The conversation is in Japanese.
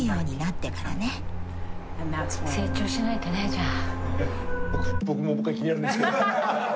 じゃあ。